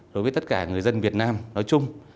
đối với tất cả người dân việt nam nói chung